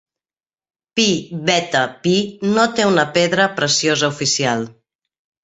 Pi Beta Phi no té una pedra preciosa oficial.